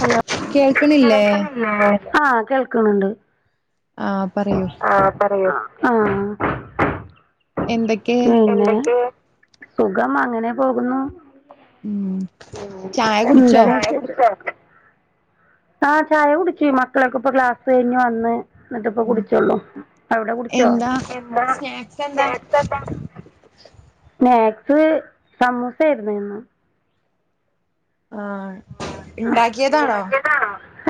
Hello കേൾക്കണില്ലേ കേൾക്കിണില്ലേ ആഹ കേൾക്കുണുണ്ട് ആ പറയൂ ആ പറയൂ ആഹ എന്തൊക്കെ പിന്നെ സുഖം അങ്ങനെ പോകുന്നു ഉം ചായ ഉം കുടിച്ചോ എന്താണ് വിശേഷം ആഹ് ചായ കുടിച്ച് മക്കളൊക്കെ ഇപ്പൊ ക്ലാസ് കഴിഞ് വന്ന് എന്നിട്ടിപ്പ കുടിച്ചോള്ളൂ അവിടെ കുടിച്ചോ എന്താ സ്നാക്സ് എന്താ സ്നാക്സ് സമൂസ ആയിരുന്നുയിന്ന് ആ ഇണ്ടാക്കിയതാണോ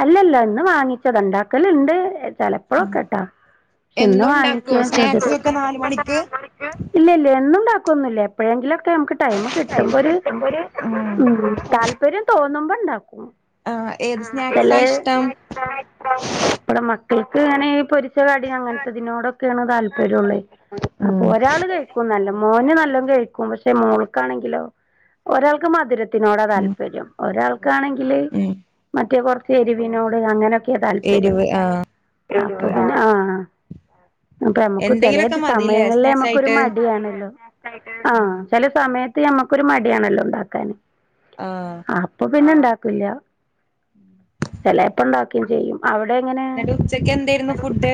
അല്ലല്ല ഇന്ന് വാങ്ങിച്ചത ഇണ്ടാക്കലുണ്ട് ചല അപ്പഴൊക്കെ കേട്ടാ പക്ഷെന്ന് എന്നുണ്ടാക്കോ വാങ്ങിക്ക ചെയ്ത് സ്നാക്സ് ഒക്കെ നാല് മണിക്ക് ഇല്ല ഇല്ല എന്നുംണ്ടാക്കൊന്നില്ല എപ്പോഴെങ്കിലൊക്കെ ക്കിട്ട് ടൈമ് കിട്ടുമ്പോരു ഉം താല്പര്യം തോന്നുമ്പോ ഉണ്ടാക്കും ആ ഏത് സ്നാക്സാ ഇഷ്ടം ഇപ്പടെ മക്കൾക്ക് ഇങ്ങനെ ഈ പൊരിച്ച കടി അങ്ങനത്തെതിനോടൊക്കെയാണ് താല്പര്യംയുള്ളെ അപ്പൊ ഉം ഒരാള്കഴിക്കും നല്ലെ മോന് നല്ലം കഴിക്കും പക്ഷെ മോൾക്കാണെങ്കിലോ ഒരാൾക്ക് മധുരത്തിനോടാ ഉം താല്പര്യം ഒരാൾക്ക് ക്കാണെങ്കില് ഉം മറ്റേ കുറച്ച് എരിവിനോട് അങ്ങനെയൊക്കെ താല്പര്യം എരിവ് ആ ആപ്പെ ആ അപ്പൊ നമുക്ക് ചിലെ എന്തെങ്കിലുമൊക്കെ മതില്ലേ സമയങ്ങളിലെ സ്നാക്സ് നമക്കൊരു ആയിട്ട് മടിയണല്ലോ ആഹ ചെലെ സമയത്ത് നമുക്കൊരു മടിയാണല്ലോ ഉണ്ടാക്കാൻ ആ അപ്പൊ പിന്നെ ഉണ്ടാക്കൂല്ല ചെലേപ്പം ഉണ്ടാക്കേം ചെയ്യും അവിടെ എങ്ങനെ എന്നിട്ട് ഉച്ചക്ക് എന്തായിരുന്നു ഫുഡ്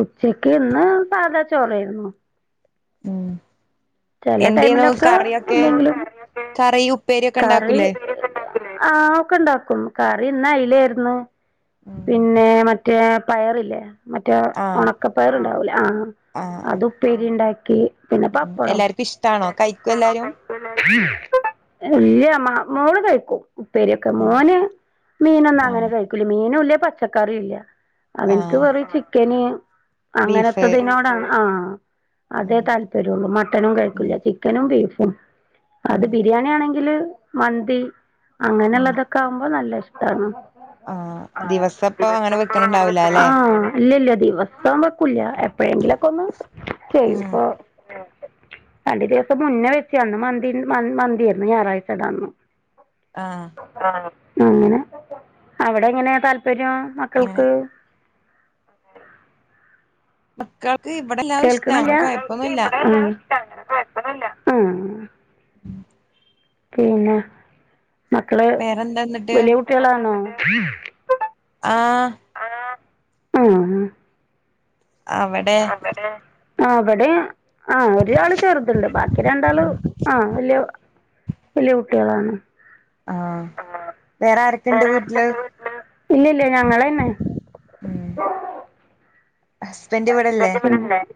ഉച്ചയ്ക്ക ഇന്ന് സാധാ ചോറായിരുന്നു ഉം ചെല എന്തെനു ടൈമിലൊക്കെ കറിയൊക്കെ? എന്തെങ്കിലും കറിയും ഉപ്പേരിയും ഒക്കെ ഉണ്ടാക്കൂല്ലേ? ആഹ് ഒക്കെയിണ്ടാക്കും കറി ഇന്ന് അയിലായിരുന്നു. ഉം പിന്നെ മറ്റേ പയറില്ലേ? മറ്റേ ആഹ് ഒണക്ക പയർ ഉണ്ടാവൂല്ലേ ആഹ് ആഹ് അത് ഉപ്പേരി ഒണ്ടാക്കി. പിന്നെ ഉം പപ്പടം എല്ലാർക്കും ഇഷ്ടാണോ എല്ലാർക്കും കഴിക്കോ ഇഷ്ടവാണോ എല്ലാരും കഴി ഇല്ല്യാ മോള് കഴിക്കും. ഉപ്പേരിയൊക്കെ ഉം മോന് മീനൊന്നും അങ്ങനെ ആഹ് കഴിക്കൂല മീനുയില്ല പച്ചക്കറിയും ഇല്ല. അവനിക്ക് ആഹ് വെറു ചിക്കന് ബീഫ് അങ്ങനത്തതിനോടാണ് ആഹ് അതേ ഉം താല്പര്യയുള്ളൂ. മട്ടനും ഉം കഴിക്കില്ല ചിക്കനും, ബീഫും അത് ഉം ബിരിയാണിയെണെങ്കിലെ മന്തി ഉം അങ്ങനുള്ളതൊക്കെ ആകുമ്പോ നല്ല ഇഷ്ടാണ്. ആഹ് ദിവസം ഇപ്പൊ അങ്ങനെ വെക്കണണ്ടാവൂല അല്ലെ? അല്ല ഇല്ല ദിവസം വെക്കൂല്ല എപ്പഴെങ്കിലും ഒക്കെ ഒന്ന് ചെയ്യൂ. ഉം ഇപ്പൊ രണ്ട് ദിവസം മുന്നേ വെച്ചുതന്നു മന്തി മ മന്തിയായിരുന്നു. ഞായറാഴ്ചയാടെ അന്ന് ആഹ് ആഹ് അങ്ങനെ അവിടെ എങ്ങനെ താല്പര്യം അങ്ങനെ മക്കൾക്ക്? മക്കൾക്ക് ഇവിടെ ഇ കേൾക്കണില്ല ആഹ് ആഹ് മക്കൾക്ക് ഇവിടെ ഇഷ്ടാണ് കേക്കണില്ല പിന്നെ മക്കള് വേറെന്താ എന്നിട്ട് വലിയ കു ട്ടികളാണോ? അതെ ആഹ് ആഹ് ആഹ് അവിടെ? ആ അവിടെയും ആഹ് ഒരാള് ചെറുതുണ്ട് ബാക്കി രണ്ടാള് ഉം ആഹ് വലിയ വലിയ കുട്ടികളാണ്. ആഹ് വേറെ ആരൊക്കെ ഒണ്ട് വീട്ടിലെ? ഇല്ലില്ല ഞങ്ങള് തന്നെ. ഉം ഹസ്ബൻഡ് ഇവിടെ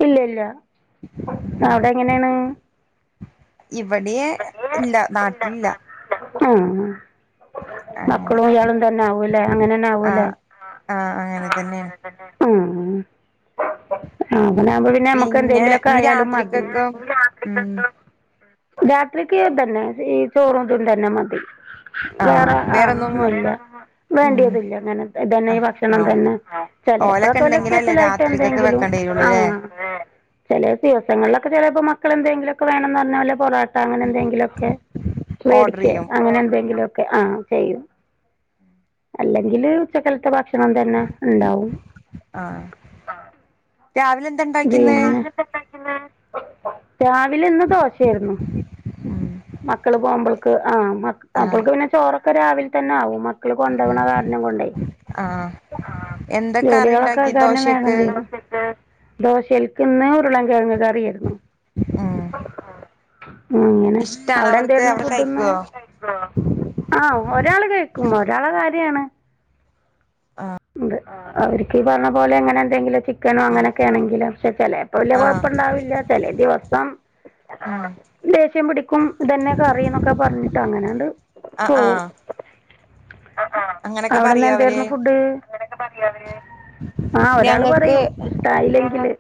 ഇല്ല ഇല്ല അവിടെ എങ്ങനെയാണ്? ഇവടെയെ ഇല്ല നാട്ടിലില്ല. ആഹ് അങ്ങനെ മക്കളും ഇയാളും തന്നെ ആവൂല്ലേ? അങ്ങനെ തന്നെ ആവൂല്ലേ? ആഹ് അങ്ങനെ ആഹ് തന്നെയാണ് അങ്ങനെ ആഹ് അങ്ങനാകുമ്പോ പിന്നെ നമ്മക്ക് എന്തെങ്കിലുലൊക്കെ ഇനി ആയാലും മതി. രാത്രിക്കൊക്കെ ഉം രാത്രിക്ക് തന്നെ ഈ ചോറും ഇതും തന്നെ മതി. ആഹ് വേറെ ഹാ വേറൊന്നും ഒന്നുയില്ല. ഉം വേണ്ടിയതില്ല അങ്ങനെതന്നെ ഇത് തന്നെ ആഹ് ഭക്ഷണം ആഹ് തന്നെ ഓലൊക്കെ ചിലയപ്പഴക്കെ വല്ലോക്കെ ഉണ്ടെങ്കിലല്ലേ സ്പെഷ്യലായി രാത്രിക്കൊക്കെ എന്തെങ്കിലും വെക്കേണ്ടി വരുള്ളൂ അല്ലേ ആഹ് ചെല ദിവസങ്ങളിലൊക്കെ ചിലപ്പോ മക്കള് എന്തെങ്കിലൊക്കെ വേണെന്ന് പറഞ്ഞാ വല്ല പൊറോ അങ്ങനെ എന്തെങ്കിലൊക്കെ ഓർഡർ മേടിക്കുകയോ ചെയ്യും അങ്ങനെ എന്തെങ്കിലൊക്കെ ആഹ് ചെയ്യും. അല്ലെങ്കില് ഉച്ചക്കലത്തെ ഭക്ഷണം തന്നെ ഉണ്ടാവും. ആഹ് രാവി പിന്നെ? രാവിലെ എന്താ കഴിക്കുന്നേ രാവിലെ ഇന്ന് ദോശയായിരുന്നു. ഉം മക്കള് പോകുമ്പൾക്ക് ആ ആഹ് മക്കൾക്ക് പിന്നെ ചോറെക്കെ രാവിലെ തന്നെ ആകും മക്കള് ഉം കൊണ്ടുപോകണ കാരണം കൊണ്ടോയ് ആഹ് ആഹ് എന്താ കറി ജോലികളൊക്കെ ഉണ്ടാക്കി കാരണം ദോശക്ക് വേഗം തീരും. ദോശൽക്കിന്ന് ഉരുളകിഴങ്ങ് കറിയായിരുന്നു. ഉം ആങ്ങ ഇഷ്ടാണ് അവർക്ക് അവിടെന്തേരുന്നു അവർ ഫുഡിന്ന്? കഴിക്കുവോ ആ ഒരാള് കഴിക്കും. ഒരാളെ കാര്യാണ് ഉണ്ട് അവർക്കീ പറഞ്ഞ പോലെ എങ്ങനെ എന്തെങ്കിലൊക്കെ ക്കാനോ അങ്ങനൊക്കെയാണെങ്കില ക്ഷെ ചെലേപ്പൊ വല്ല്യ ആഹ് കൊഴപ്പുണ്ടാവില്ല ചെലെ ദിവസം ഉം ദേഷ്യം പിടിക്കും ഇതെന്നെ കറി ന്നൊക്കെ പറഞ്ഞിട്ട് അങ്ങനെണ്ട് ആ ആ പറയോ അവര് അവിടെന്നെന്തേര്ന്നു ഫുഡ്? ആ ഒരാള് ഞങ്ങൾക്ക് പറയും ഇഷ്ടായില്ലെങ്കില്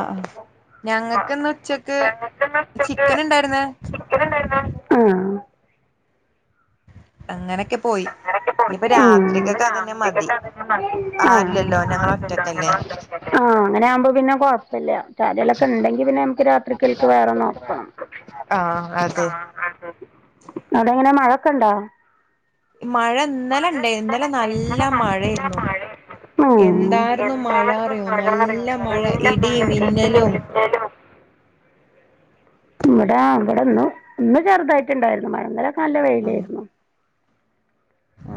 ആ ആ ഞങ്ങക്ക്ന്ന് ഉച്ചക്ക് ചിക്കന്ണ്ടായിരുന്ന് ആ അങ്ങനെക്കെ പോയി ങ്ങനൊക്കെ പോയി ഇനിയിപ്പ ഉം ഇഞ്ഞി രാത്രിക്കൊക്കെ അതന്നെ മതി രാത്രിക്കത്തെ അതെന്നെ മതി ആ ആരുല്ലല്ലോ ഞങ്ങള് ഒറ്റക്കല്ലേ [unintelligible] ആ അങ്ങനെ ആവുമ്പോ പിന്നെ കൊഴപ്പല്ല്യ ചാരിലൊക്കെ ഉണ്ടെങ്കി പിന്നെ നമക്ക് രാത്രിക്കൽക്ക് വേറെ നോക്കണം ആ അതെ അവ്ടെങ്ങനെ മഴൊക്കെണ്ടോ? മഴ ഇന്നലെണ്ടെയ്ന് ഇന്നലെ നല്ല മഴേരുന്നു ഉം. എന്താർന്നു മഴറിയോ നല്ല മഴ ഇടീം മിന്നലും ന്നലും വ്ടാ വടെന്ന് ഇന്ന് ചെറുതായിട്ടുണ്ടായിരുന്നു മഴ ഇന്നലൊക്കെ നല്ല ആഹ് വെയിലെര്ന്നു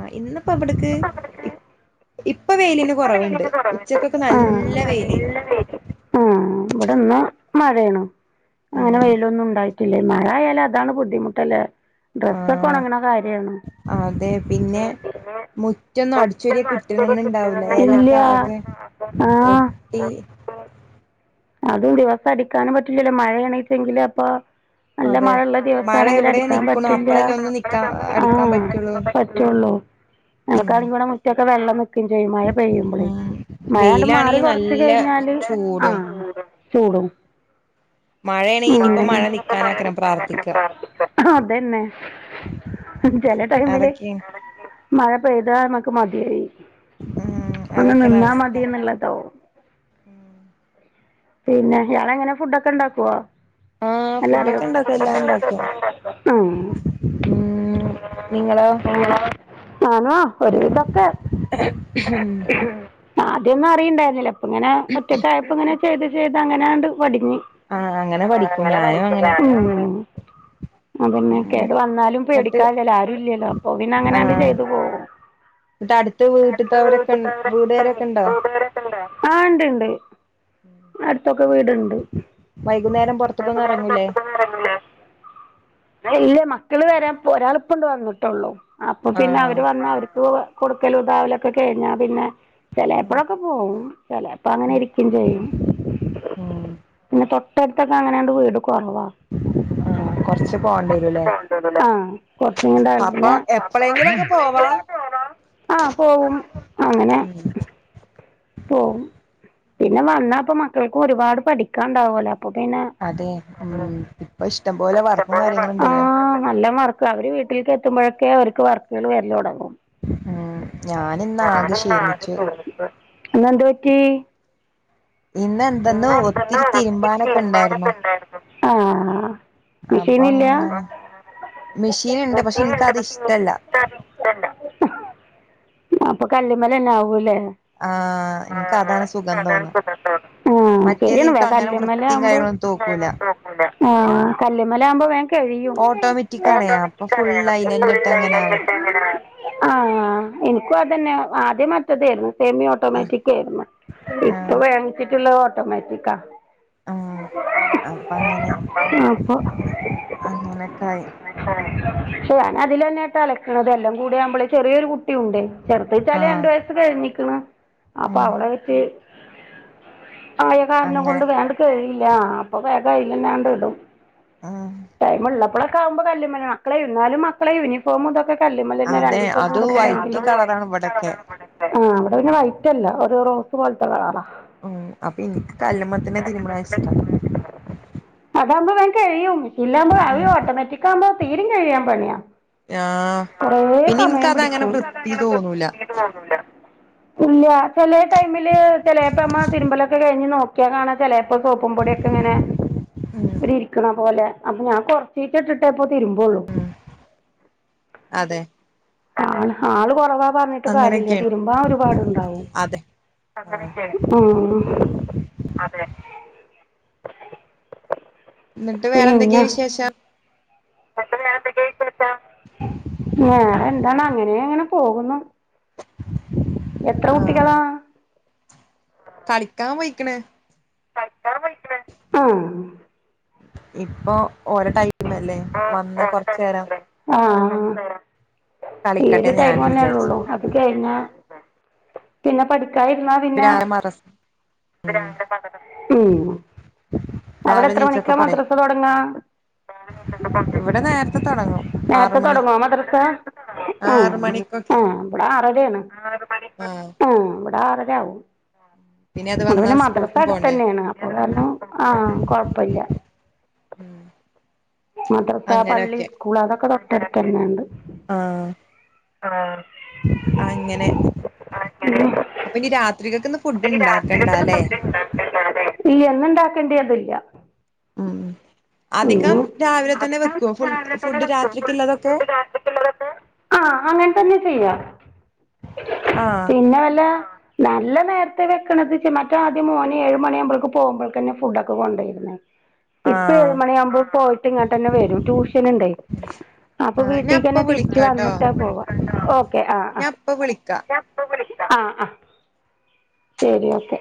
അ ഇന്ന്പ്പൊ വ്ട്ക്ക് ഇപ് ഇപ് ഇപ്പൊ വെയിലിന് കൊറവുണ്ട് ഉച്ചക്കൊക്കെ നല്ല വെയിലേനു ആ വടെന്ന് മഴേണ് അങ്ങനെ ഉം വെയിലൊന്നും ഉണ്ടായിട്ടില്ലേ മഴ ആയാല് അതാണ് ബുദ്ധിമുട്ടല്ലേ ഡ്രസ്സൊക്കെ ആഹ് ഒണങ്ങണ കാര്യാണ് അതെ പിന്നെ മുറ്റൊന്നും അടിച്ചൊര്യാ കിറ്റ്ണെന്നെണ്ടാവൂ ല ഇല്ല എലൊക്കെ ആകെ ആഹ് ഒട്ടി അതു ദിവസം അടിക്കാനും പറ്റില്ലല്ലോ മഴേണീച്ചെങ്കില് അപ്പൊ നല്ല അതെ മഴള്ള മഴ ദിവസാണെങ്കില് എവിടെ അടിക്കാൻ നിക്കണു പറ്റില്ല അപ്പളല്ലേ ഒന്ന് നിക്കാ ആ അടിക്കാൻ പറ്റുള്ളൂ പ റ്റൊള്ളൂ ഉം ഞങ്ങക്കാണെങ്കിവടെ മുറ്റൊക്കെ വെള്ളം നിക്കും ചെയ്യും മഴ പെയ്യുമ്പൊളേ മഴാണ്ട് മാറി വെയിലാണെങ്കി കൊറച്ച് നല്ല കഴിഞ്ഞാല് ആ ചൂടും ചൂടും മഴയാണെങ്കി ഉം ഇനിയിപ്പോ മഴ നിക്കാനാക്കണം പ്രാർത്ഥിക്കുക അതെന്നെ ചെല ടൈമില് അതൊക്കെയാണ് മഴ പെയ്താ ഞമ്മക്ക് മത്യായി ഉം ഒന്ന് അതൊക്കെയാണ് നിന്നാ അവസ്ഥ മതി ന്നുള്ളതാവും പിന്നെ ഇയാളെങ്ങനെ ഫുഡൊക്കെണ്ടാക്കോ? ആഹ് എല്ലാറിയോ? ഫുഡൊക്കെ ഇണ്ടാക്കും എല്ലാം ഇണ്ടാക്കും ഉം നിങ്ങളൊ ഞാനൊ ഒരു വിധൊക്കെ ആദ്യൊന്നും അറയിണ്ടാര്ന്നില്ല പ്പങ്ങനെ ഒറ്റക്കായപ്പൊ ഇങ്ങനെ ചെയ്ത് ചെയ്ത് അങ്ങനാണ്ട് പഠിഞ്ഞു ആഹ് അങ്ങനെ ആ പഠിക്കും അങ്ങനെ ഞാനും പഠിക്കുല്ലേ അങ്ങനെ ഞാനും അങ്ങനെ അതെന്നെ കേട് വന്നാലും എന്നിട്ട് പേടിക്കാല്ലല്ലോ ആരും ഇല്ല്യല്ലോ അപ്പൊ പിന്നെ അങ്ങനാണ്ട് ആഹ് ചെയ്തു പോകും ന്നിട്ട് അടുത്ത ട്ടടുത്ത വീട്ടിത്തവരൊക്കെ വീട്ടിത്തവരൊക്കെ വീടുകാരൊക്കെ ഉണ്ടോ വീട്ടുകാരൊക്കെല്ലേ ആണ്ട് ണ്ട് അടുത്തൊക്കെ വീടുണ് വൈകുന്നേരം പൊറത്ത്ക്കൊന്നും എറങ്ങൂലേ? ആ ഇല്ലേ മക്കള് വരാ പ് ഒരാൾ ഇപ്പണ്ട് വന്നിട്ടുള്ളൂ അപ്പൊ പിന്നെ ആഹ് അവര് വന്ന അവർക്ക് കൊടുക്കലുതാവലൊക്കെ കഴിഞ്ഞാ പിന്നെ ചെലേപ്പഴൊക്കെ പോകും. ചെലേപ്പങ്ങനെ ഉം ഇരിക്കും ചെയ്യും ഉം തൊട്ടടുത്തൊക്കങ്ങനെണ്ട് വീട് കൊറവാ ആ ആ കൊറച്ച് പോണ്ടേരൂലേ ആ കുറച്ചും കൂടെ അപ്പൊ പിന്നെ എപ്പ്ളെങ്കിലൊക്കെ പോവാ ആഹ് പോവും അങ്ങനെ ഉം പോവു പിന്നെ വന്നപ്പൊ മക്കൾക്കും ഒരുപാട് പഠിക്കാണ്ടാവൊലോ അപ്പൊ പിന്നെ അതെ ഉം ഇപ്പൊ ഇഷ്ടം പോലെ വർക്കും കാര്യങ്ങളും [unintelligible] ഉണ്ടല്ലോ ആഹ് നല്ലോം വർ അവര് വീട്ടിലേക്ക് എത്തുമ്പഴൊക്കെ അവർക്ക് വർക്കുകള് വരല് തൊടങ്ങും ഉം ഞാനിന്ന് ആകെ ക്ഷീണിച്ചു [unintelligible] അതെന്ത് പറ്റി പിന്നെന്ത ഇന്ന് ഒത്തിരി തിരുമ്പാനൊക്കെ ഇണ്ടായിരുന്നു ആ മെഷീനില്ല അപ്പങ്ങനെ മെഷീന്ണ്ട് പക്ഷെ ഇൻക്കത് ഇഷ്ടല്ല അപ്പൊ കല്ല്മ്മലന്നെ ആകൂലേ ആഹ് ഇൻക്ക് അതാണ് സുഖം തോന്നാ ആ മറ്റേത് ശരിയാണ് ഇൻക്ക് അങ്ങനെ വൃത്തി കല്ലുമ്മലാകുമ്പോ കാര്യങ്ങളൊന്നും തോന്നൂല ആഹ് കല്ലമ്മല് ആവുമ്പോ വേ കഴിയും ഓട്ടോമാറ്റിക് ആണേ അപ്പൊ ഫുള്ള് അയിലന്നെ ഇട്ട് അങ്ങനെ ആവ [unintelligible] ആഹ് എനിക്കും അതന്നെ ആദ്യ മറ്റതേന്നു സേമിയ ആഹ് ട്ടോമാറ്റിക്കെര്ന്നു ഇപ്പ ആഹ് വേങ്ങിച്ചിട്ടുള്ളെ ഓട്ടോമാറ്റിക്കാ ആഹ് അപ്പ അങ്ങനെ അപ്പൊ അങ്ങനക്കായി ക്ഷെ ഞാൻ അതിൽ തന്നെട്ടാ അലക്കണത് എല്ലാം കൂടെ ആവുമ്പോളെ ചെറിയൊരു കുട്ടിയുണ്ടെ ചെറുതെച്ചാലെ ആഹ് രണ്ടു വയസ്സ് കഴിഞ്ഞിക്ക്ണ് അപ്പൊ ഉം അവിടെ വെച്ച് ആയ കാരണ അങ്ങനെ കൊണ്ട് വേണ്ട കഴിയില്ല അപ്പൊ വേഗം അയിലഞ്ഞേണ്ട് ഇടും ആഹ് ടൈമുള്ളപ്പളൊക്കെകുമ്പോ കല്ലുമ മക്കളെ ഇന്നാലും മക്കളെ യൂണിഫോം ഇതൊക്കെ കല്ലമ്മലഞ്ഞെ അതെ രണ്ടീസം അത് കൂടുമ്പളെ വൈറ്റ് കളറാണ് ഇവിടൊക്കെ ആഹ് അവിടെ വൈറ്റല്ല ഒരു റോസ് പോലത്ത കളറാ ഉം അപ്പൊ ഇനിക്ക് കല്ല്മ്മ ത്തന്നെ തിരുമ്ണതാഷ്ട്ടം അതാവുമ്പോ വേ കഴിയും ഇല്ലപോ അവ ഉം ഓട്ടോമാറ്റിക് ആവുമ്പോൾ തീരും കഴിയാൻ പണിയ ആഹ് കൊറേ പിന്നെ സമയം ഇൻക്കത് അങ്ങനെ പിടിക്കും വൃത്തി തോന്നൂല ഇല്ല ചിലേ ടൈമില് ചെലെപ്പ [unintelligible] തിരുമ്പലൊക്കെ കഴിഞ്ഞ് നോക്കിയാ കാണാ ചിലപ്പോ സോപ്പും പൊടിയൊക്കെ ഇങ്ങനെ ഉം ഒരു ഇരിക്ക്ണ പോലെ അപ്പൊ ഞാ കൊറച്ചീച്ചേ ഇട്ടിട്ടേപ്പോ തിരുമ്പോള്ളൂ ഉം അതെ ആഹ് ആള് കുറവാ പറഞ്ഞിട്ട് കാര്യല്ല അങ്ങനെയൊക്കെയാണ് തിരുമ്പാൻ ഒരുപാടുണ്ടാവും അതെ ആഹ് ഉം ന്നിട്ട് വേറെ എന്തൊക്കെ വിശേഷം ഞനെന്താണ് അങ്ങനെ അങ്ങനെ പോകുന്നു എത്ര ആഹ് കുട്ടിക്കളാ? കളിക്കാൻ പോയിക്ക്ണ് ആഹ് ഇപ്പൊ ഓരോ ടൈമല്ലേ വന്ന കൊറച്ചേരം ആഹ് ഈ ഒരു കളിക്കട്ടെന്ന് ടൈം ഞാനും തന്നെ വിചാരിച്ചു ഉള്ളുള്ളൂ അത് കഴിഞ്ഞ പിന്നെ പഠിക്കായിരുന്നാ പിന്നെ രാവിലെ മറസ് [unintelligible] ഉം അവിടെ രാവിലെ എത്ര നീച്ചൊക്കെ മണിക്ക പോണ്ടേ മദ്രസ തോടങ്ങ? ഇവിടെ നേരത്തെ തുടങ്ങും ആറ് നേരത്തെ മണി തോടങ്ങോ മദ്രസ ഉം ആറ് മണിക്കൊക്കെ ഉം ഇവിടെ ആറരെണ് ആഹ് ഉം ഇവിടെ ആറര ആവും അത് അതു വന്നാ പിന്നെ മദ്രസ സ്കൂൾക്കും പോണ്ടേ അടുത്തന്നെണ് അപ്പൊ കാരണം ആഹ് കൊഴപ്പല്ല ഉം മദ്രസ പള്ളി അങ്ങനൊക്കെ സ്കൂള് അതൊക്കെ തൊട്ടടുത്തന്നെണ്ട് ആഹ് അങ്ങനെ അപ്പൊ ഇനി രാത്രിക്കാക്ക്‌ ഇന്ന് ഫുഡ് ഉണ്ടാക്കണ്ട ല്ലേ? ഈ എന്ന് ഇണ്ടാക്കേണ്ടിതില്ല ഉം ഉം അധികം രാവിലെ തന്നെ വെക്കുവോ [unintelligible] ഫു രാവിലെത്തന്നെ ഫുഡ് വെക്കോ ഫു‌ രാത്രിക്കുള്ളതൊക്കെ ഫുഡ്‌ രാത്രിക്ക്ള്ളതോക്കെ ആഹ് അങ്ങനെ തന്നെ ചെയ്യ ആഹ് പിന്നെ വെല്ല നല്ല നേരത്തെ വെക്ക്ണത് ചെ മറ്റാദ്യം മോന് ഏഴ് മണിയാവുമ്പേക്ക് പോവുമ്പള്ക്കെന്നെ ഫുഡ്ക്കെ കൊണ്ടോയിര്ന്നെ ഇപ്പ ആഹ് ഏഴ്മണി ആവുമ്പോ പോയിട്ട് ഇങ്ങട്ടെന്നെ വെരും ട്യൂഷന്ണ്ടേ അപ്പൊ ആഹ് ഞാൻ ഇപ്പ വീട്ടിക്കെന്നെ തിരിച്ച് വിളിക്കാട്ടോ വന്ന്ട്ടാ പോവാ ഓക്കെ ആഹ് ആഹ് ഞാൻ ഇപ്പ വിളിക്കാ ഞാൻ ഇപ്പൊ വിളിക്ക ആഹ് ആഹ് ശെരി ഓക്കെ